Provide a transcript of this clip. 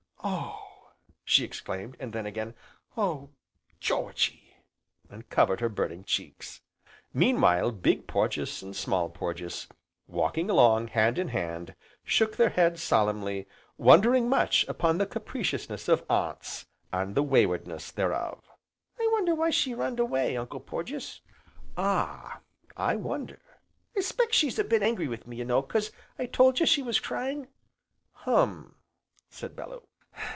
"Oh!" she exclaimed, and then again, "Oh Georgy!" and covered her burning cheeks. Meanwhile Big Porges, and Small Porges, walking along hand in hand shook their heads solemnly, wondering much upon the capriciousness of aunts, and the waywardness thereof. "I wonder why she runned away, Uncle Porges?" "Ah, I wonder!" "'Specks she's a bit angry with me, you know, 'cause I told you she was crying." "Hum!" said Bellew.